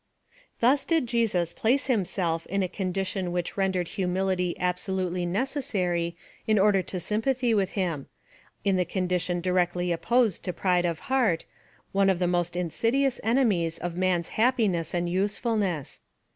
Thus did Jesuf? place himself in a condition which rendered humility absolutely necessary in order to sympathy with liim — in the condition di rectly opposed 10 pride of heart, one of the most m sidious enemies of man's happiness and usefulness.